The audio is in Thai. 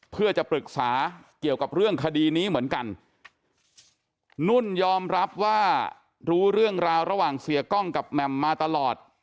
เพื่อจะปรึกษาเกี่ยวกับเรื่องคดีนี้เหมือนกันนุ่นยอมรับว่ารู้เรื่องราวระหว่างเสียกล้องกับแหม่มมาตลอด